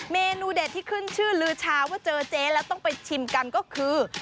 เมนูเด็ดที่ขึ้นชื่อลือชาว่าเจอเจ๊แล้วต้องไปชิมกันก็คือ